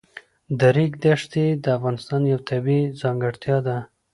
د ریګ دښتې د افغانستان یوه طبیعي ځانګړتیا ده.